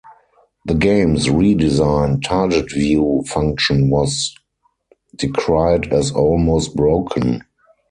The game's redesigned "target view" function was decried as "almost broken.